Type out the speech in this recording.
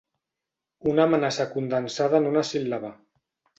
Una amenaça condensada en una síl·laba.